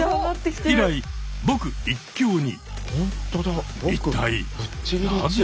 以来「ぼく」一強に。